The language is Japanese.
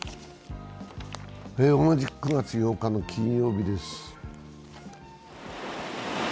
同じく９月８日の金曜日です。